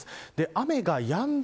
雨がやんだ